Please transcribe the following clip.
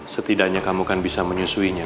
setidaknya kamu kan bisa menyusuinya